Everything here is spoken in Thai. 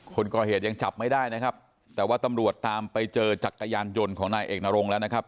คนก่อเหตุยังจับไม่ได้นะครับแต่ว่าตำรวจตามไปเจอจักรยานยนต์ของนายเอกนรงแล้วนะครับ